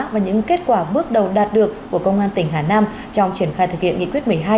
và những kết quả bước đầu đạt được của công an tỉnh hà nam trong triển khai thực hiện nghị quyết một mươi hai